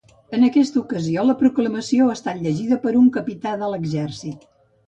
En aquesta ocasió la proclamació ha estat llegida per un capità de l’exèrcit.